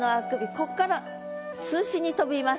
こっから数詞に飛びます。